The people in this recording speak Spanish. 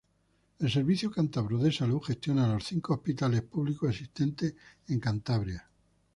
El Servicio Cántabro de Salud gestiona los cinco hospitales públicos existentes en Cantabria.